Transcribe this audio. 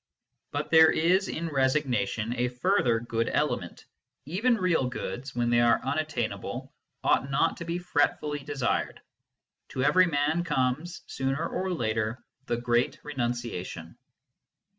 But there is in resignation a further good element : even real goods, when they are unattainable, ought not to be fretfully desired. To every man comes, sooner or later, the great renunciation.